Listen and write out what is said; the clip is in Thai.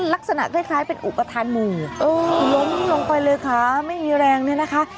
ลักษณะคล้ายเป็นอุปทานหมู่ล้มลงไปเลยค่ะไม่มีแรงเนี่ยนะคะ